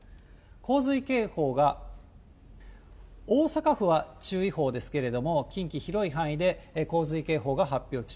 洪水警報が大阪府は注意報ですけれども、近畿、広い範囲で洪水警報が発表中。